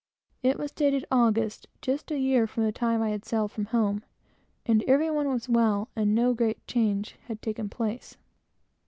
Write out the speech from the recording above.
It was dated August, just a year from the time I had sailed from home; and every one was well, and no great change had taken place.